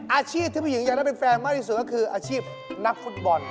อาชีพที่ผู้หญิงอยากได้เป็นแฟนมากที่สุดก็คืออาชีพนักฟุตบอล